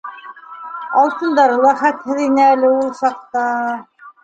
Алтындары ла хәтһеҙ ине әле ул саҡта.